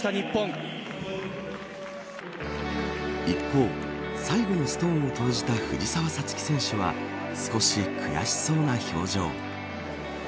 一方、最後のストーンを投じた藤澤五月選手は少し悔しそうな表情。